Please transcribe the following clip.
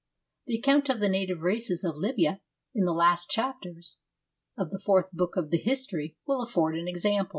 The account of the native races of Libya in the last chapters of the fourth book of the History will afford an example.